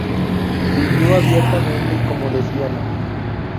Vivió abiertamente como lesbiana.